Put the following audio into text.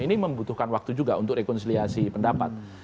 ini membutuhkan waktu juga untuk rekonsiliasi pendapat